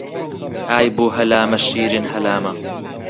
ئای بۆ هەلامە شیرین هەلامە